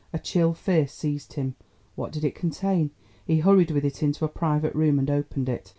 A chill fear seized him. What did it contain? He hurried with it into a private room and opened it.